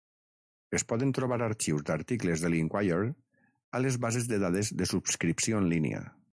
Es poden trobar arxius d'articles de "l'Enquirer" a les bases de dades de subscripció en línia.